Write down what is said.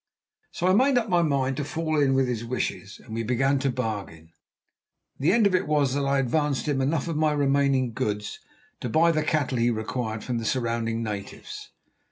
So I made up my mind to fall in with his wishes, and we began to bargain. The end of it was that I advanced him enough of my remaining goods to buy the cattle he required from the surrounding natives.